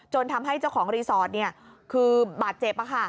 จนทำให้เจ้าของรีสอร์ตเนี่ยคือบาดเจ็บอ่ะค่ะ